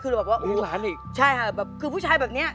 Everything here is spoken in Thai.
คือเราแบบว่าอุ้ยหลานอีกใช่ค่ะแบบคือผู้ชายแบบเนี้ย